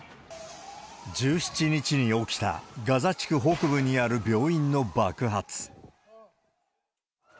１７日に起きたガザ地区北部にある病院の爆発。